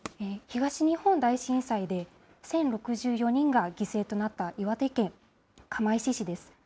東日本大震災で１０６４人が犠牲となった、岩手県釜石市です。